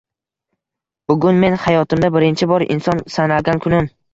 Bugun men xayotimda birinchi bor inson sanalgan kunim.